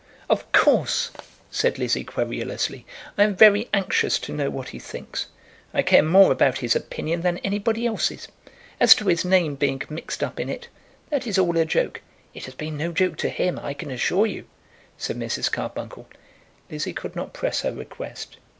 "Of course," said Lizzie querulously, "I am very anxious to know what he thinks. I care more about his opinion than anybody else's. As to his name being mixed up in it, that is all a joke." "It has been no joke to him, I can assure you," said Mrs. Carbuncle. Lizzie could not press her request.